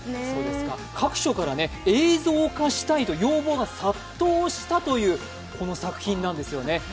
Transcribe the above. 各所から映像化したいと要望が殺到したというこの作品なんですよね。